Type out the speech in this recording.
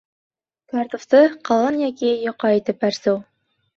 Картуфты ҡалын йәки йоҡа итеп әрсеү